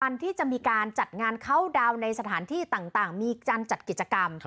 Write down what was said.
วันที่จะมีการจัดงานเข้าดาวน์ในสถานที่ต่างมีการจัดกิจกรรม